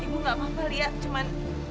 ibu gak apa apa lia cuman